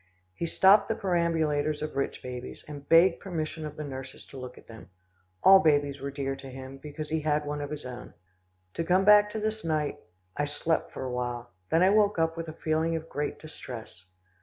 He stopped the perambulators of rich babies, and begged permission of the nurses to look at them. All babies were dear to him, because he had one of his own. To come back to this night, I slept for a while, then I woke up with a feeling of great distress.